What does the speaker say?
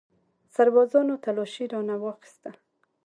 سربازانو تلاشي رانه واخیستله.